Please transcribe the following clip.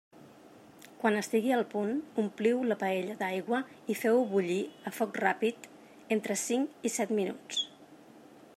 Quan estigui al punt, ompliu la paella d'aigua i feu-ho bullir a foc ràpid entre cinc i set minuts.